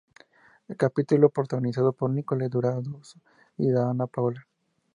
Capítulo protagonizado por Nicole Durazo y Danna Paola.